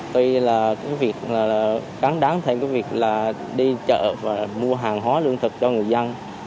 tuy là cái việc là cắn đáng thêm cái việc là đi chợ và mua hàng hóa lương thực cho người dân